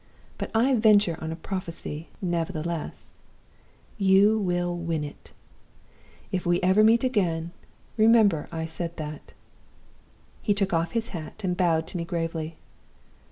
But I venture on a prophecy, nevertheless you will win it! If we ever meet again, remember I said that.' He took off his hat, and bowed to me gravely.